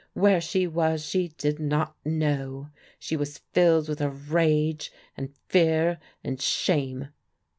Where she was she did not know. She was filled with a rage, and fear, and shame.